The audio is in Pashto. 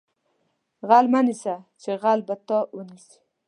غل مه نیسه چې غل به تا ونیسي